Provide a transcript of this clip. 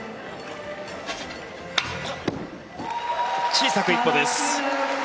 小さく１歩です。